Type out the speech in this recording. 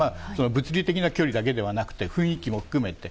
物理的な距離だけではなくて、雰囲気も含めて。